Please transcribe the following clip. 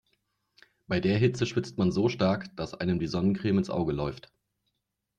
Bei der Hitze schwitzt man so stark, dass einem die Sonnencreme ins Auge läuft.